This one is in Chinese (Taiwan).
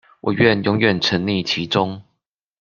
我願永遠沈溺其中